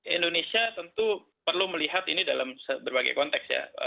indonesia tentu perlu melihat ini dalam berbagai konteks ya